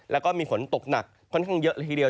แล้วก็มีฝนตกหนักค่อนข้างเยอะละทีเดียว